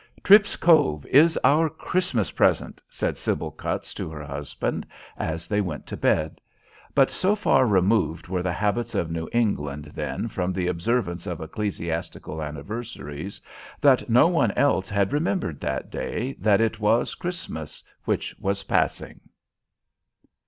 "Tripp's Cove is our Christmas present," said Sybil Cutts to her husband, as they went to bed. But so far removed were the habits of New England then from the observance of ecclesiastical anniversaries, that no one else had remembered that day that it was Christmas which was passing.